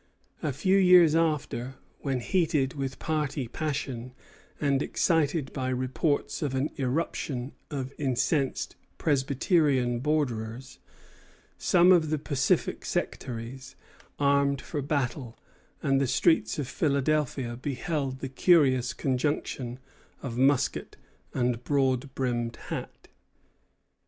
A few years after, when heated with party passion and excited by reports of an irruption of incensed Presbyterian borderers, some of the pacific sectaries armed for battle; and the streets of Philadelphia beheld the curious conjunction of musket and broad brimmed hat.